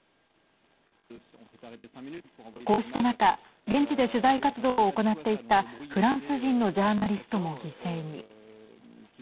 こうした中現地で取材活動を行っていたフランス人のジャーナリストも犠牲に。